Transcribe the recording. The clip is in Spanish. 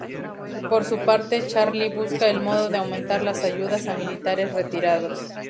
Por su parte Charlie busca el modo de aumentar las ayudas a militares retirados.